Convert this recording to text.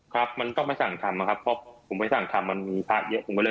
ครับมันก็ไม่สั่งทำนะครับเพราะผมไม่สั่งทำมันมีภาพเยอะ